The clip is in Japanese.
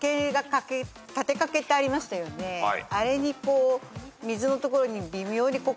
あれにこう。